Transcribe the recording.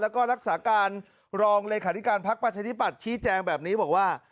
แล้วก็นักศึการรองรคภักดิบัตรชี้แจงแบบนี้บอกว่า